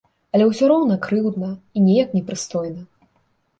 Але ўсе роўна крыўдна і неяк непрыстойна.